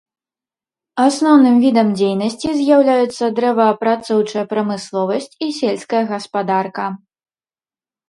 Асноўным відам дзейнасці з'яўляюцца дрэваапрацоўчая прамысловасць і сельская гаспадарка.